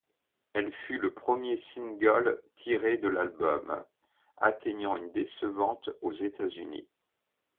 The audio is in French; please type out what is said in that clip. Elle fut le premier single tiré de l'album, atteignant une décevante aux États-Unis.